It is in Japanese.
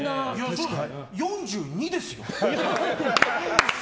４２ですよ。